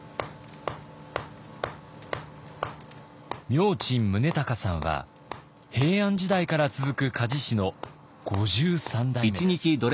明珍宗敬さんは平安時代から続く鍛冶師の５３代目です。